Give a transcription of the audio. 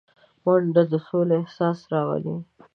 منډه د سولې احساس راولي